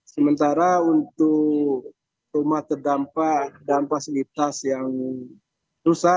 sementara untuk rumah terdampak dan fasilitas yang rusak